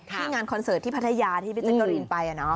ที่งานคอนเสิร์ตที่พัทยาที่ไปเจ๊กรีนไป